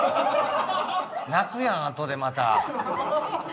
泣くやんあとでまた。